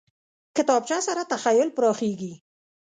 کتابچه سره تخیل پراخېږي